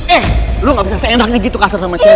eh lu gak bisa seenaknya gitu kasar sama cewek